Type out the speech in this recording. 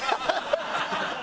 ハハハハ！